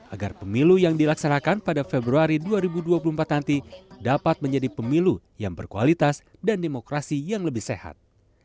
agar pemilu yang dilaksanakan pada februari dua ribu dua puluh empat nanti dapat menjadi pemilu yang berkualitas dan demokrasi yang lebih sehat